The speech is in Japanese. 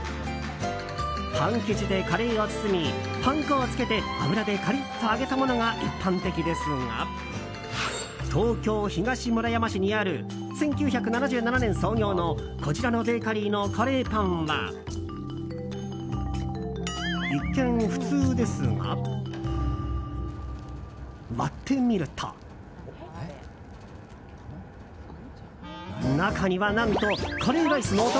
パン生地でカレーを包みパン粉をつけて油でカリッと揚げたものが一般的ですが東京・東村山市にある１９７７年創業のこちらのベーカリーのカレーパンは一見、普通ですが割ってみると中には何とカレーライスのお供